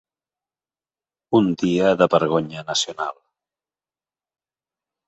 Un dia de vergonya nacional.